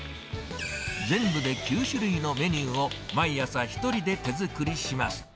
全部で９種類のメニューを、毎朝１人で手作りします。